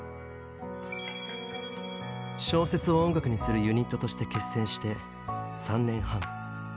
「小説を音楽にするユニット」として結成して３年半。